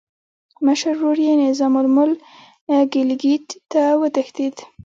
مشر ورور یې نظام الملک ګیلګیت ته وتښتېد.